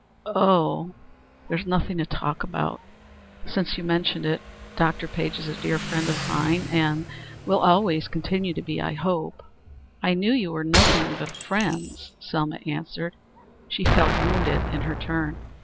"There's nothing to talk about. Since you have mentioned it, Dr. Page is a dear friend of mine, and will always continue to be, I hope." "Oh, I knew you were nothing but friends now," Selma answered. She felt wounded in her turn.